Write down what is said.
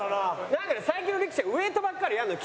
なんか最近の力士はウエイトばっかりやんのよ。